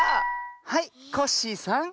はいコッシーさん。